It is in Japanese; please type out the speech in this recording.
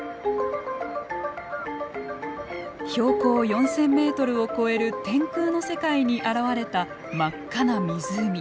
標高４，０００メートルを超える天空の世界に現れた真っ赤な湖。